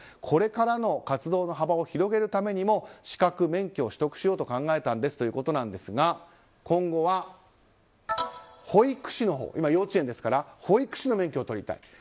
これからの活動の幅を広げるためにも資格、免許を取得しようと考えたんですということですが今後は、今は幼稚園ですから保育士の免許をとりたい。